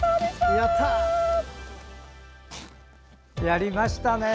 やりましたね！